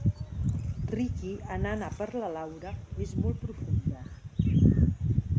Riqui anant a per la Laura és molt profunda.